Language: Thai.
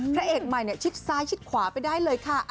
พระเอกใหม่ชิดซ้ายชิดขวาไปได้เลยค่ะ